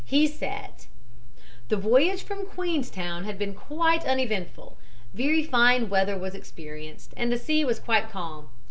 He said: "The voyage from Queenstown had been quite uneventful; very fine weather was experienced, and the sea was quite calm.